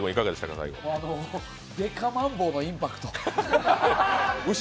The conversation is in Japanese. デカマンボウのインパクトが。